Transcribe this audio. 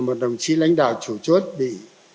một đồng chí lãnh đạo chủ chốt bị